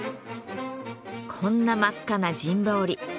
こんな真っ赤な陣羽織。